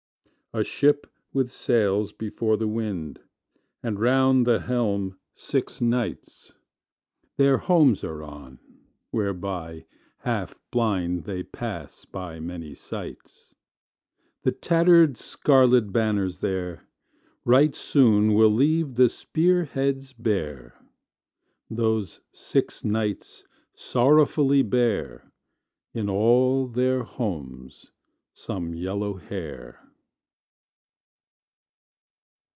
A ship with sails before the wind, And round the helm six knights, Their heaumes are on, whereby, half blind, They pass by many sights. The tatter'd scarlet banners there, Right soon will leave the spear heads bare, Those six knights sorrowfully bear In all their heaumes some yellow hair.